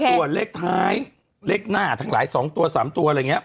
ส่วนเลขท้ายเลขหน้าทั้งหลาย๒ตัว๓ตัวอะไรอย่างนี้